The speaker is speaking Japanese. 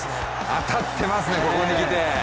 当たってますね、ここに来て。